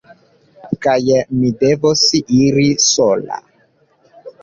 Kaj mi devos iri sola.